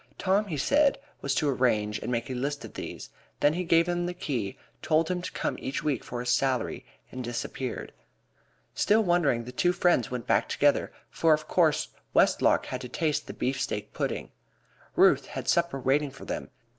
Tom, he said, was to arrange and make a list of these. Then he gave him the key, told him to come to him each week for his salary, and disappeared. Still wondering, the two friends went back together, for of course Westlock had to taste the beefsteak pudding. Ruth had supper waiting for them.